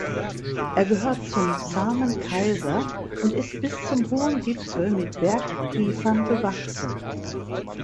Er gehört zum "Zahmen Kaiser" und ist bis zum hohen Gipfel mit Bergkiefern bewachsen.